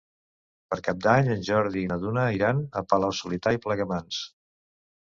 Per Cap d'Any en Jordi i na Duna iran a Palau-solità i Plegamans.